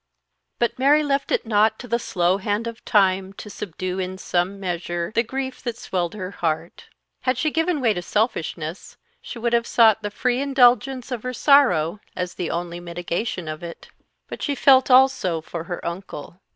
But Mary left it not to the slow hand of time to subdue in some measure the grief that swelled her heart. Had she given way to selfishness, she would have sought the free indulgence of her sorrow as the only mitigation of it; but she felt also for her uncle.